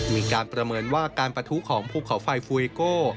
มีการประเมินว่าการประทุของภูเขาไฟฟูเอโก้